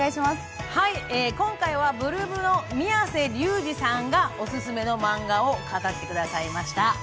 今回は８ＬＯＯＭの宮世琉弥さんがオススメのマンガを語ってくださいました。